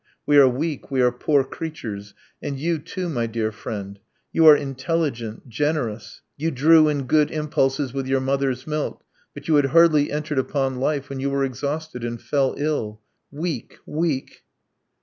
.... We are weak, we are poor creatures ... and you, too, my dear friend, you are intelligent, generous, you drew in good impulses with your mother's milk, but you had hardly entered upon life when you were exhausted and fell ill. ... Weak, weak!"